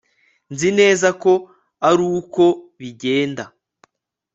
nzi neza ko ari uko bigenda